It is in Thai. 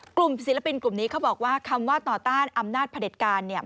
กลุ่มศิลปินกลุ่มนี้เขาบอกว่าคำว่าต่อต้านอำนาจผลิตการเนี้ย